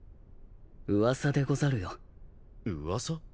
噂でござるよ。噂？